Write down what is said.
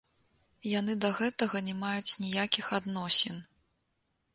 Яны да гэтага не маюць ніякіх адносін.